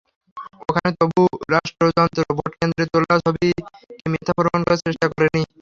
ওখানে তবু রাষ্ট্রযন্ত্র ভোটকেন্দ্রের তোলা ছবিকে মিথ্যা প্রমাণ করার চেষ্টা করেনি।